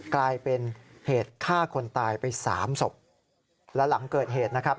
กลายเป็นเหตุฆ่าคนตายไปสามศพและหลังเกิดเหตุนะครับ